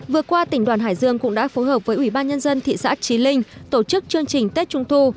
vừa qua tỉnh đoàn hải dương cũng đã phối hợp với ủy ban nhân dân thị xã trí linh tổ chức chương trình tết trung thu